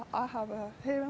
ketika saya masih kecil